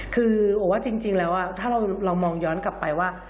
คือบอกว่าจริงแล้วถ้าเรามองย้อนกลับไปว่า